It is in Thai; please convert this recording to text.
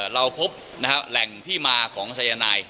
เราพบแหล่งที่มาของสายนาย